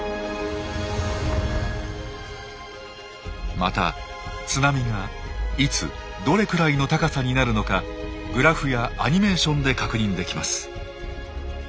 また津波がいつどれくらいの高さになるのかグラフやアニメーションで確認できます。